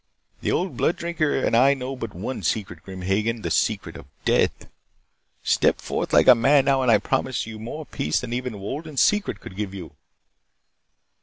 The old Blood Drinker and I know but one secret, Grim Hagen, the secret of death. Step forth like a man now and I promise you more peace than even Wolden's secret could give you."